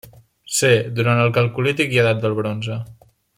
C, durant el calcolític i edat del bronze.